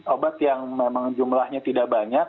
obat yang memang jumlahnya tidak banyak